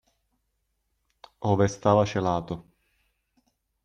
Ove stava celato.